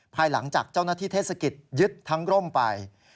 ภายหลังจากเจ้าหน้าที่เทศกิจยึดทั้งร่มไป